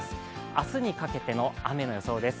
明日にかけての雨の予想です。